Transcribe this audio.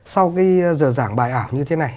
sau cái giờ giảng bài ảo như thế này